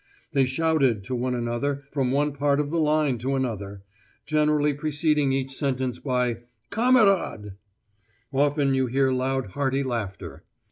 They shouted to one another from one part of the line to another, generally preceding each sentence by 'Kamerad.' Often you heard loud hearty laughter.